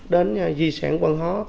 đến di sản văn hóa